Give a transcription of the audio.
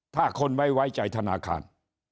ถ้าคนไม่ไว้ใจธนาคาร